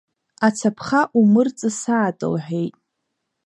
Ацаԥха умырҵысаат, — лҳәеит.